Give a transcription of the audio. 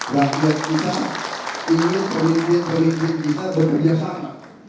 rakyat kita ingin pemimpin pemimpin kita bekerja sama